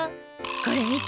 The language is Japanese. これ見て！